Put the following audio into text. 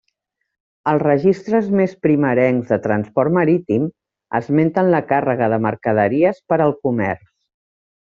Els registres més primerencs de transport marítim esmenten la càrrega de mercaderies per al comerç.